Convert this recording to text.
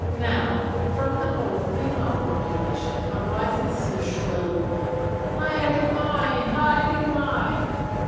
Now, from the whole female population arises the shrill "_haere mai! haere mai!